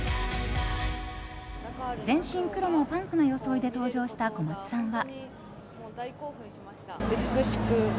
全身黒のパンクな装いで登場した小松さんは。